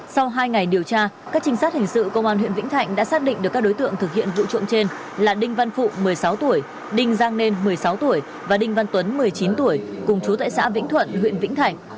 sau hai ngày điều tra các trinh sát hình sự công an huyện vĩnh thạnh đã xác định được các đối tượng thực hiện vụ trộm trên là đinh văn phụ một mươi sáu tuổi đinh giang nên một mươi sáu tuổi và đinh văn tuấn một mươi chín tuổi cùng chú tại xã vĩnh thuận huyện vĩnh thạnh